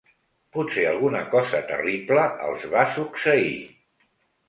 Potser alguna cosa terrible els va succeir.